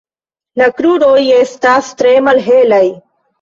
La kruroj estas tre malhelaj.